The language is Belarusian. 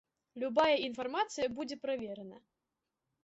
Любая інфармацыя будзе праверана.